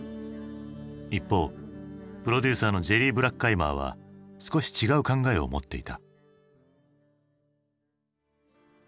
一方プロデューサーのジェリー・ブラッカイマーは少し違う考えを持っていた。